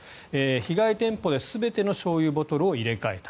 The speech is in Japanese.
被害店舗で全てのしょうゆボトルを入れ替えた。